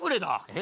え？